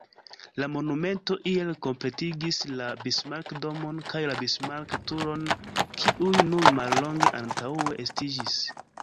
La monumento iel kompletigis la Bismarck-domon kaj la Bismarck-turon kiuj nur mallonge antaŭe estiĝis.